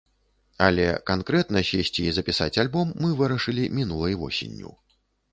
Але канкрэтна сесці і запісаць альбом мы вырашылі мінулай восенню.